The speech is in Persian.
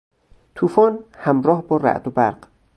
توفان همراه با رعد و برق